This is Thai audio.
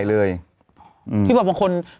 อเจมส์เพื่อนโทษ